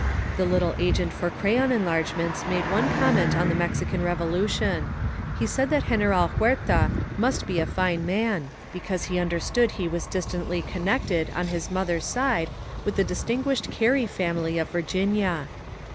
The little agent for crayon enlargements made one comment on the Mexican revolution. He said that Greneral Huerta must be a fine man, because he un 6 ON THE BORDER derstood he was distantly connected, on his mother's side, with the distinguished Carey family of Virginia!